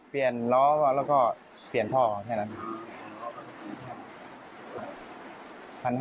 เปลี่ยนล้อแล้วก็เปลี่ยนท่อแค่นั้น